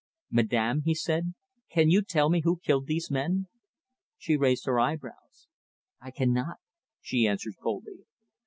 "Madame," he said, "can you tell me who killed these men?" She raised her eyebrows. "I cannot," she answered coldly.